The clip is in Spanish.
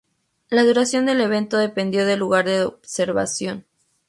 La duración del evento dependió del lugar de observación.